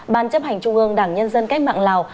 ban chấp hành trung ương đảng nhân dân cách mạng lào